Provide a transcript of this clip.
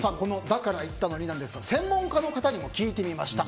だから言ったのにですが専門家の方にも聞いてみました。